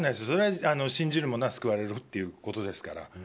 それは信じる者は救われるということですから。